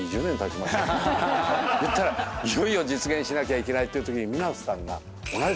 いよいよ実現しなきゃいけないっていうときに港さんが。